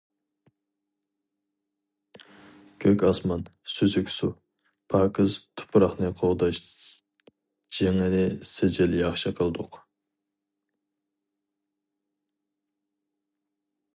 كۆك ئاسمان، سۈزۈك سۇ، پاكىز تۇپراقنى قوغداش جېڭىنى سىجىل ياخشى قىلدۇق.